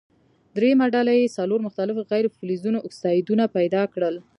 دریمه ډله دې څلور مختلفو غیر فلزونو اکسایدونه پیداکړي.